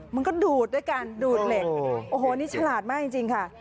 มันก็ดูดด้วยกันดูดเหล็กโอ้โหนี่ฉลาดมากจริงค่ะ